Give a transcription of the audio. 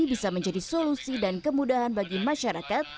bisa menjadi solusi dan kemudahan bagi masyarakat